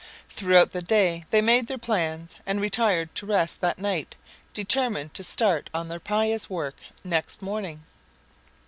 Throughout the day they made their plans, and retired to rest that night determined to start on their pious work next morning.